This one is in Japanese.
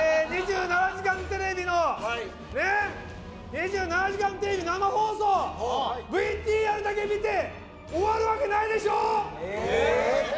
「２７時間テレビ」の生放送ＶＴＲだけ見て終わるわけないでしょ！